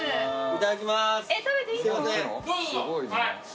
いただきます。